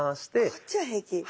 こっちは平気。